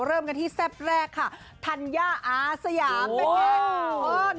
เริ่มกันที่แซ่บแรกค่ะธัญญาอาสยามเป็นไง